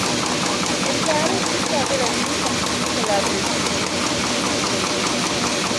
In Paris he started a very successful collaboration with Jean Leray.